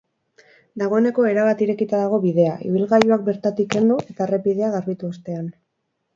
Dagoeneko erabat irekita dago bidea, ibilgailuak bertatik kendu eta errepidea garbitu ostean.